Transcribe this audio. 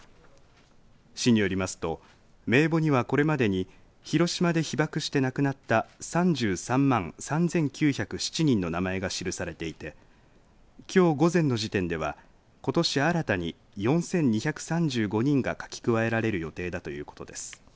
市によりますと名簿にはこれまでに広島で被爆して亡くなった３３万３９０７人の名前が記されていてきょう午前の時点ではことし新たに４２３５人が書き加えられる予定だということです。